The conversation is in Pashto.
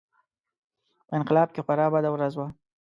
په انقلاب کې خورا بده ورځ وه.